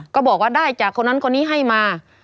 ก็บอกว่าได้จากคนนั้นคนนี้ให้มา